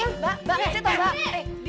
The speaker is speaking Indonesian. mbak mbak minta tolong mbak